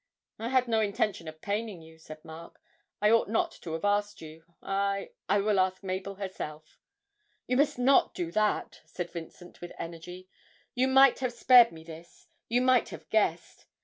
'I had no intention of paining you,' said Mark, 'I ought not to have asked you. I I will ask Mabel herself.' 'You must not do that!' said Vincent, with energy; 'you might have spared me this you might have guessed.